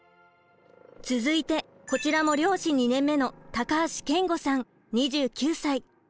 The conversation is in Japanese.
続いてこちらも漁師２年目の高橋謙吾さん２９歳。